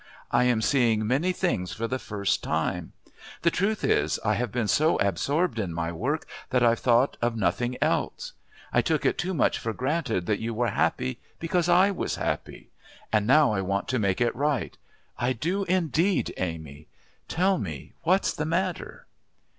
I am seeing many things for the first time. The truth is I have been so absorbed in my work that I've thought of nothing else. I took it too much for granted that you were happy because I was happy. And now I want to make it right. I do indeed, Amy. Tell me what's the matter."